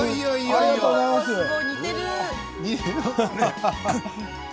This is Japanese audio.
ありがとうございます。